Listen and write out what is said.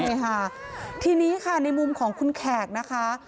ใช่ค่ะทีนี้ค่ะในมุมของคุณแขกนะคะ